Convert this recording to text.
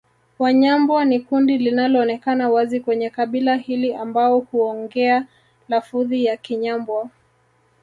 Wanyambwa ni kundi linaloonekana wazi kwenye kabila hili ambao huongea lafudhi ya Kinyambwa